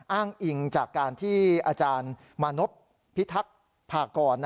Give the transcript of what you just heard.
อ้างอิงจากการที่อาจารย์มานพพิทักษ์พากร